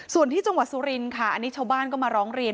ส่วนที่จังหวัดสุรินค่ะอันนี้ชาวบ้านก็มาร้องเรียน